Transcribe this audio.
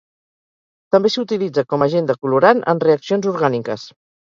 També s'utilitza com agent decolorant en reaccions orgàniques.